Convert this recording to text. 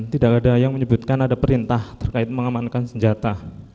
tidak ada yang menyebutkan ada perintah terkait mengamankan senjata